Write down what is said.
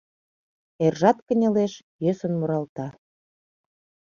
Эржат кынелеш - йӧсын муралта